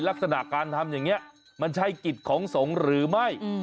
ลักษณะการทำอย่างนี้มันใช่กิจของสงฆ์หรือไม่